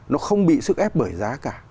nó không bị sức ép bởi giá cả